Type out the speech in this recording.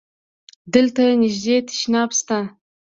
دلته نژدی تشناب شته؟